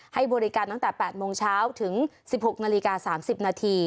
ให้บริการตั้งแต่แปดโมงเช้าถึงสิบหกนาฬิกาสามสิบนาที